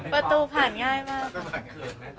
ประตูผ่านง่ายมาก